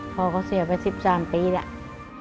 พ่อก็เสียไป๑๓ปีแล้ว